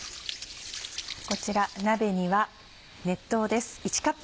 こちら鍋には熱湯です。